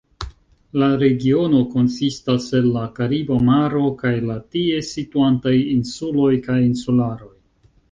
La regiono konsistas el la Kariba Maro kaj la tie situantaj insuloj kaj insularoj.